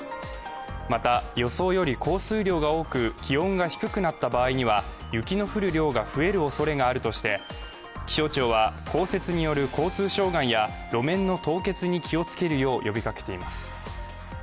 また、予想より降水量が多く気温が低くなった場合には雪の降る量が増えるおそれがあるとして、気象庁は降雪による交通障害や、路面の凍結に気をつけるよう呼びかけています。